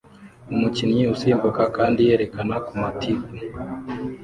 Umukinnyi usimbuka kandi yerekana ku matiku